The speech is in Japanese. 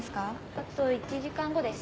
あと１時間後です。